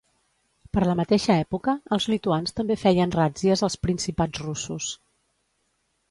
Per la mateixa època els lituans també feien ràtzies als principats russos.